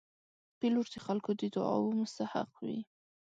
پیلوټ د خلکو د دعاو مستحق وي.